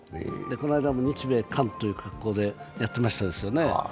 この間も日米韓という格好でやってましたよね